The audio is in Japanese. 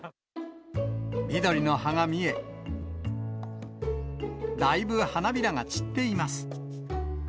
緑の葉が見え、だいぶ花びらが散っています。